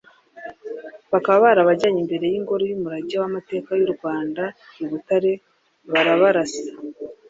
bakaba barabajyanye imbere y’ingoro y’umurage w’amateka y’u Rwanda i Butare barabarasa